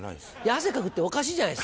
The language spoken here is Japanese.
汗かくっておかしいじゃない。